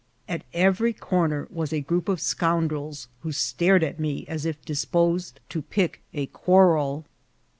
At every corner was a group of scoundrels, who stared at me as if disposed to pick a quarrel.